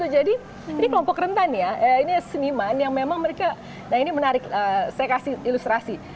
jadi ini kelompok rentan ya ini seniman yang memang mereka nah ini menarik saya kasih ilustrasi